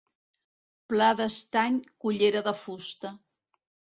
Plat d'estany, cullera de fusta.